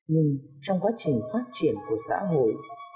nhưng trong quá trình phát triển của xã hội